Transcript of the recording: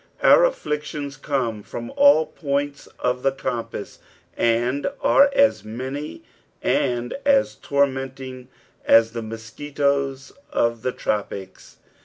Our afflictions come from all points of the compass, and arc as many and as tormenting as the mosquitoes of the tropics.